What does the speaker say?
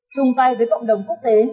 chung tay với cộng đồng quốc tế